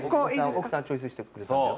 奥さんチョイスしてくれたんだよ。